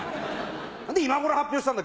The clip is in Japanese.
何で今頃発表したんだ